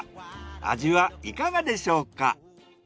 味はいかがでしょうか？